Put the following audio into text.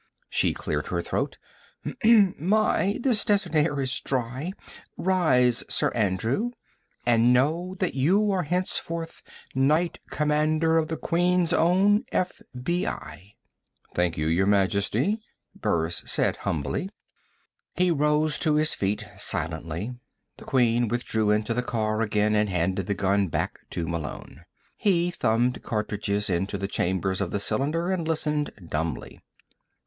She cleared her throat. "My, this desert air is dry Rise, Sir Andrew, and know that you are henceforth Knight Commander of the Queen's Own FBI." "Thank you, Your Majesty," Burris said humbly. He rose to his feet silently. The Queen withdrew into the car again and handed the gun back to Malone. He thumbed cartridges into the chambers of the cylinder and listened dumbly.